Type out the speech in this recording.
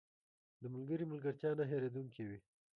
• د ملګري ملګرتیا نه هېریدونکې وي.